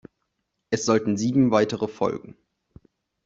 Es sollten sieben weitere folgen.